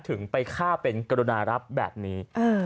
ถึงไปฆ่าเป็นกรุณารับแบบนี้